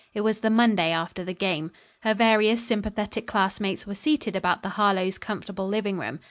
It was the Monday after the game. Her various sympathetic classmates were seated about the Harlowe's comfortable living room.